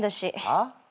あっ？